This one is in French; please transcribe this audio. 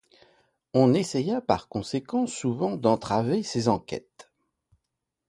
On essaya par conséquent souvent d'entraver ses enquêtes.